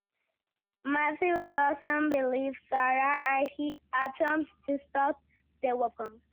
Matthew doesn't believe Sarah, and he attempts to stop the weapon.